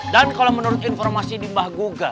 dan kalau menurut informasi di mbah guga